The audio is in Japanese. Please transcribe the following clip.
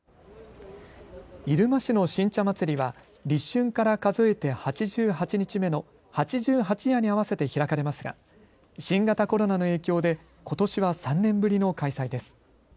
入間市の新茶まつりは立春から数えて８８日目の八十八夜に合わせて開かれますが新型コロナの影響でことしは３年ぶりの開催です。